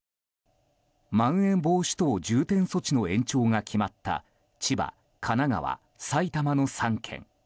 まん延防止等重点措置の延長が決まった千葉、神奈川、埼玉の３県。